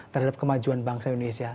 terhadap kemajuan bangsa indonesia